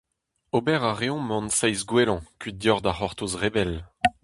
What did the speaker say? Ober a reomp hon seizh gwellañ kuit deoc'h da c'hortoz re bell…